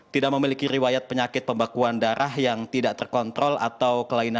tidak memiliki riwayat penyakit pembekuan darah yang tidak terkontrol atau kelainan